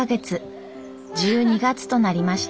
１２月となりました。